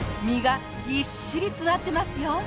身がぎっしり詰まってますよ。